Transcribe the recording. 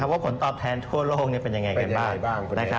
ว่าผลตอบแทนทั่วโลกเป็นยังไงกันบ้าง